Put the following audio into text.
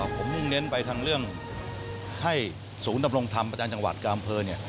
ผมมุ่งเน้นไปทางเรื่องให้ศูนย์ดำรงธรรมประจำจังหวัดกับอำเภอ